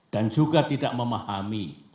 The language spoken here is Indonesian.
dan juga tidak memahami